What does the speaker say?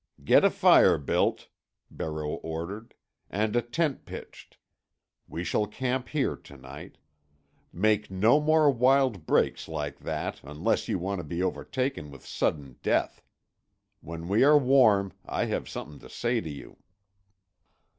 "Get a fire built," Barreau ordered, "and a tent pitched. We shall camp here to night. Make no more wild breaks like that, unless you want to be overtaken with sudden death. When we are warm I have something to say to you."